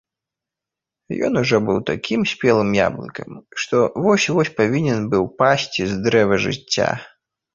Ён ужо быў такім спелым яблыкам, што вось-вось павінен быў упасці з дрэва жыцця.